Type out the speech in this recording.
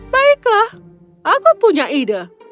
baiklah aku punya ide